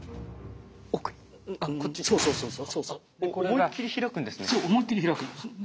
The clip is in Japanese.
思いっきり開くんですね？